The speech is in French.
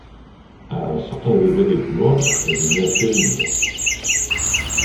À un certain degré d’épouvante, on devient terrible.